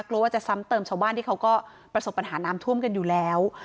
กลัวว่าจะซ้ำเติมชาวบ้านที่เขาก็ประสบปัญหาน้ำท่วมกันอยู่แล้ว